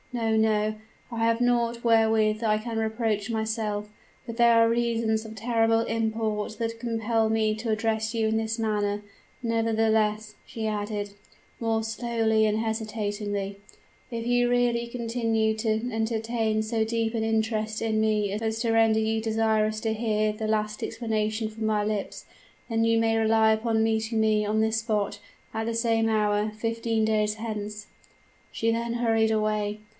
No, no; I have naught wherewith I can reproach myself; but there are reasons of terrible import that compel me to address you in this manner. Nevertheless,' she added, more slowly and hesitatingly, 'if you really should continue to entertain so deep an interest in me as to render you desirous to hear the last explanation from my lips, then may you rely upon meeting me on this spot, and at the same hour, fifteen days hence.' "She then hurried away.